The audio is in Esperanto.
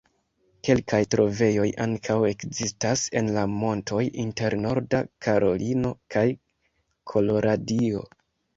Kelkaj trovejoj ankaŭ ekzistas en la montoj inter Norda Karolino kaj Koloradio.